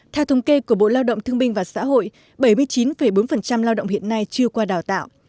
theo thống kê của bộ lao động thương binh và xã hội bảy mươi chín bốn lao động hiện nay chưa qua đào tạo